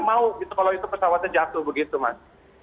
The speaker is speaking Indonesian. mau gitu kalau itu pesawatnya jatuh begitu mas